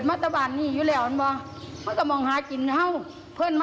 โดดเทียสมากเอง